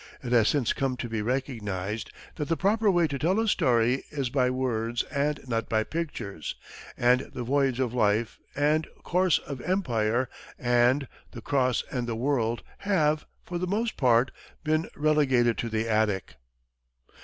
It has since come to be recognized that the proper way to tell a story is by words and not by pictures, and "The Voyage of Life," and "Course of Empire," and "The Cross and the World" have, for the most part, been relegated to the attic.